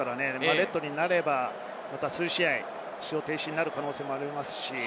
レッドになれば、数試合、出場停止になる可能性があります。